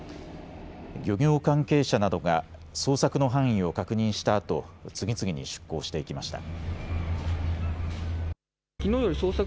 漁業関係者などが捜索の範囲を確認したあと次々に出港していきました。